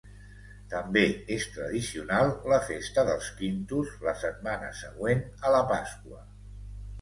També és tradicional la festa dels Quintos la setmana següent a la Pasqua.